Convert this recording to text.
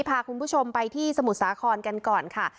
พาคุณผู้ชมไปที่สมุทรสาครกันก่อนค่ะ